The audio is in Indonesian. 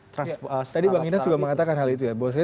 tadi bang ina sudah mengatakan hal itu ya